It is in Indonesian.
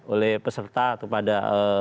oleh peserta atau pada